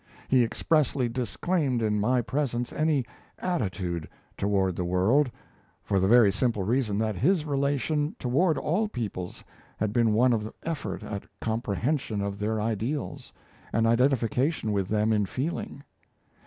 He expressly disclaimed in my presence any "attitude" toward the world, for the very simple reason that his relation toward all peoples had been one of effort at comprehension of their ideals, and identification with them in feeling.